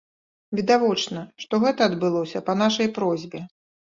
Відавочна, што гэта адбылося па нашай просьбе.